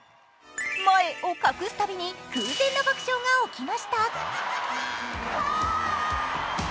前を隠すたびに、空前の爆笑が起きました。